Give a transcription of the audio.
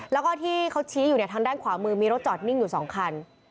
แล้วก็ที่เขาชี้อยู่เนี่ยทางด้านขวามือมีรถจอดนิ่งอยู่๒คัน